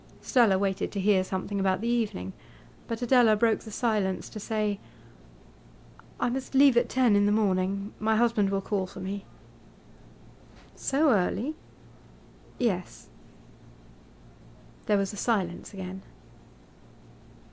Stella waited to hear something about the evening, but Adela broke the silence to say: 'I must leave at ten in the morning. My husband will call for me.' 'So early?' 'Yes.' There was silence again.